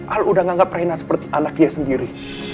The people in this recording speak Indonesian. al udah menganggap rena seperti anak dia sendiri